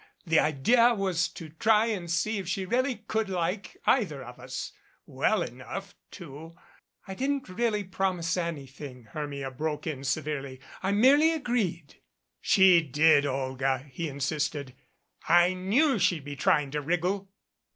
"The idea was to try and see if she really could like either of us well enough to " "I didn't really promise anything," Hermia broke in, severely. "I merely agreed " "She did, Olga," he insisted. "I knew she'd be trying to wriggle."